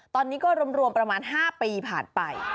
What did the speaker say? ตอนนี้ก็รวมประมาณ๕ปีผ่านไป